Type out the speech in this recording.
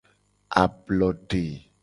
Ablode.